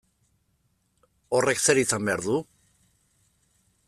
Horrek zer izan behar du?